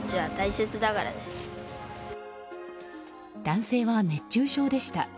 男性は熱中症でした。